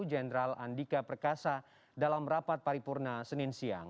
jenderal andika perkasa dalam rapat paripurna senin siang